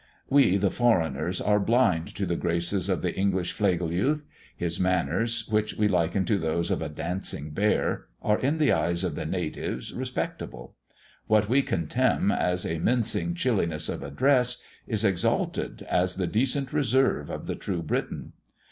"We, the foreigners, are blind to the graces of the English Flegel youth. His manners, which we liken to those of a dancing bear, are, in the eyes of the natives, respectable; what we contemn as a mincing chilliness of address, is exalted as the decent reserve of the true Briton.